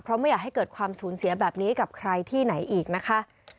เพราะไม่อยากให้เกิดความสูญเสียแบบนี้กับใครที่ไหนอีกนะคะ